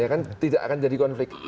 ya kan tidak akan jadi konflik